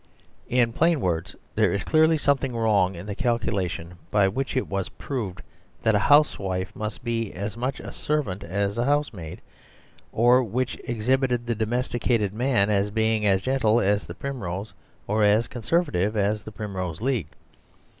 In plain words, there is clearly something wrong in the calculation by which it was proved that a housewife must be as much a servant as a housemaid; or which exhibited the domesticated man as being as gentle as the primrose or as conservative as the Prim rose League.